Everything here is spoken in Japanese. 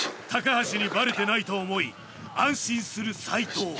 高橋にバレてないと思い安心する斉藤